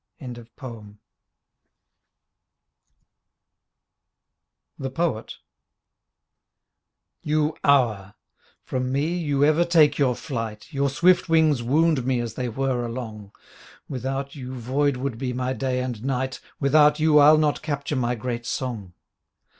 42 THE POET You Hour! From me you ever take your flight. Your swift wings wound me as they whir along; Without you void would be my day and night. Without you I'll not capture my great song.